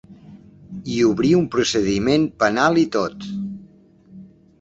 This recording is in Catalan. I obrir un procediment penal i tot.